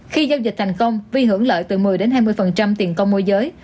khi giao dịch thành công vi hưởng lợi từ một mươi hai mươi tiền công môi giới